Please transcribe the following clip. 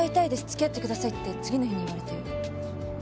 付き合ってください」って次の日に言われたよ。